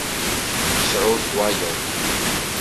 Sɛut wayeḍ.